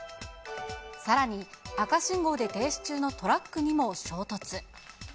さらに、赤信号で停止中のトラックにも衝突。